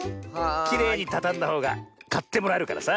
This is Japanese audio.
きれいにたたんだほうがかってもらえるからさ。